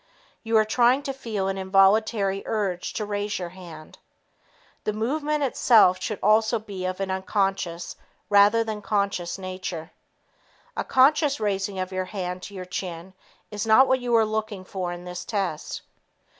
You are trying to feel an involuntary urge to raise your hand. The movement itself should also be of an unconscious rather than conscious nature. A conscious raising of your hand to your chin is not what you are looking for in this test.